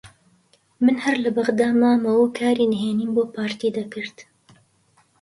من هەر لە بەغدا مامەوە و کاری نهێنیم بۆ پارتی دەکرد